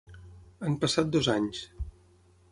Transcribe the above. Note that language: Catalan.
Han passat dos anys.